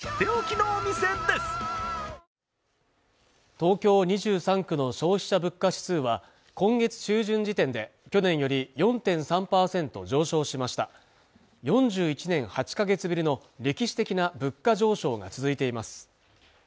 東京２３区の消費者物価指数は今月中旬時点で去年より４．３％上昇しました４１年８か月ぶりの歴史的な物価上昇が続いています